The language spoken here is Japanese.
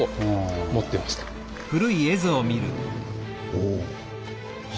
おお。